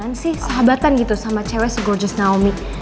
gimana sih sahabatan gitu sama cewek se gorgeous naomi